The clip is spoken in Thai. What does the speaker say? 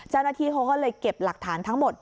เจ้าหน้าที่เขาก็เลยเก็บหลักฐานทั้งหมด